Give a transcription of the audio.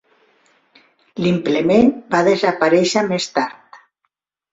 L"implement va desaparèixer més tard.